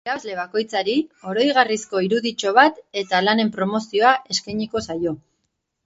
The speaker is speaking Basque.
Irabazle bakoitzari oroigarrizko iruditxo bat eta lanen promozioa eskainiko zaio.